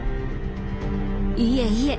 いえいえ